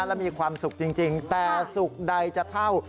และมีความสุขจริงแต่สุขใดจะเท่า